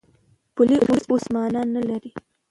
پولې اوس مانا نه لري.